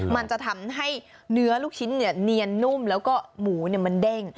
มันจะทำให้เนื้อลูกชิ้นเนียนนุ่มแล้วก็หมูมันเด้ง